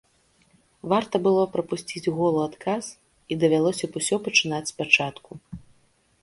Варта было прапусціць гол у адказ, і давялося б усё пачынаць спачатку.